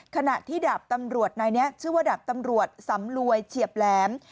ขณะที่ดาบตำรวจนายนี้ชื่อว่าดาบตำรวจสำรวยเฉียบแหลม